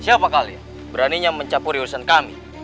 siapa kalian beraninya mencampur jurusan kami